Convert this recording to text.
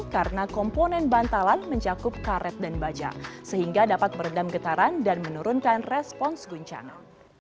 karena komponen bantalan mencakup karet dan baja sehingga dapat meredam getaran dan menurunkan respons guncana